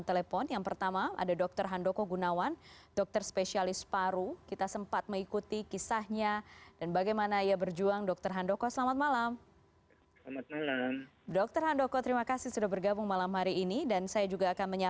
seorang perawat di sebuah rumah sakit di dki jakarta